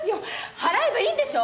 払えばいいんでしょ！？